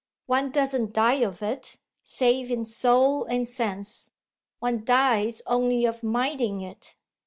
One doesn't die of it save in soul and sense: one dies only of minding it.